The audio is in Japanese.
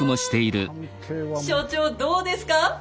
所長どうですか？